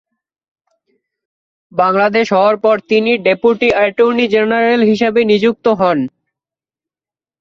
বাংলাদেশ হওয়ার পর তিনি ডেপুটি অ্যাটর্নি জেনারেল হিসেবে নিযুক্ত হন।